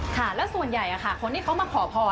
ค่ะแล้วส่วนใหญ่คนที่เขามาขอพร